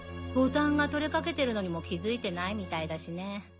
ボタンが取れかけてるのにも気づいてないみたいだしね。